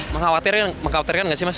mengkhawatirkan nggak sih mas